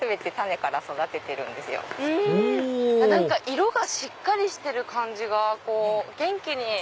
色がしっかりしてる感じが元気に。